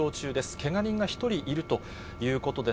けが人が１人いるということです。